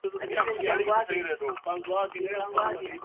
hiyo itakuwa rahisi kwa maana watakuwa wanatumia